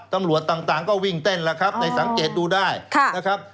ตำรวจต่างก็วิ่งเต้นแล้วครับในสังเกตดูได้นะครับ